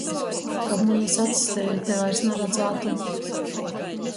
Kab munys acs tevi te vaira naradzātu!